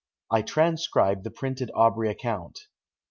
I transcribe the printed Aubrey account.